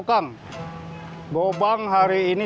kau bisa ny grind berasin ini